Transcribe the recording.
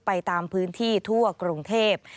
ตามพื้นที่ทั่วกรุงเทพ